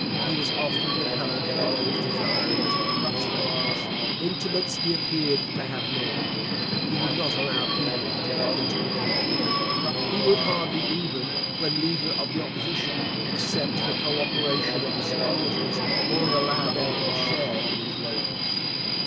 He was often repellent to those desiring to be his friends. Intimates he appeared to have none: he would not allow people to be intimate with him. He would hardly even, when leader of the Opposition, accept the co operation of his supporters or allow them a share in his labours.